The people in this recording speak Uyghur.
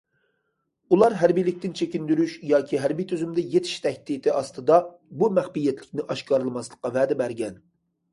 ئۇلار ھەربىيلىكتىن چېكىندۈرۈش ياكى ھەربىي تۈرمىدە يېتىش تەھدىتى ئاستىدا، بۇ مەخپىيەتلىكنى ئاشكارىلىماسلىققا ۋەدە بەرگەن.